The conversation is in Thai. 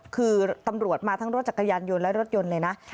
คือตำรวจมาทั้งรถจักรยานยนต์และรถยนต์เลยนะ